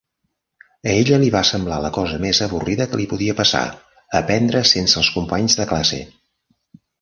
A ella li va semblar la cosa més avorrida que li podia passar, aprendre sense els companys de classe.